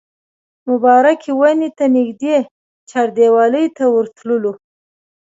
مبارکې ونې ته نږدې چاردیوالۍ ته ورتللو.